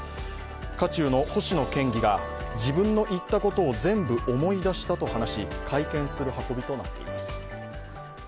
渦中の星野県議が自分の言ったことを全部思い出したと話し、会見する運びとなっています。